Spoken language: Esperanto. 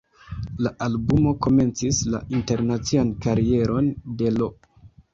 La albumo komencis la internacian karieron de Lo.